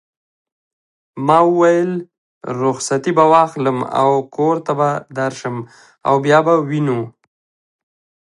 ما وویل: رخصتې به واخلم او کور ته به درشم او بیا به وینو.